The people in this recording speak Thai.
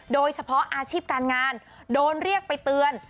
โดยเฉพาะอาชีพการงานโดนเรียกไปเตือน